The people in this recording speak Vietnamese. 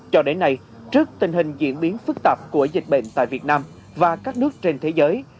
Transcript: cho đến nay trước tình hình diễn biến phức tạp của dịch bệnh tại việt nam và các nước trên thế giới